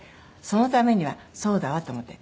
そのためにはそうだわと思って。